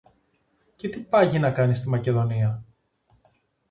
Και τι πάγει να κάνει στη Μακεδονία;